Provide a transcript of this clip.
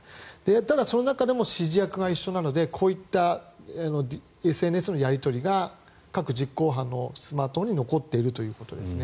ただ、その中でも指示役が一緒なのでこういったＳＮＳのやり取りが各実行犯のスマートフォンに残っているということですね。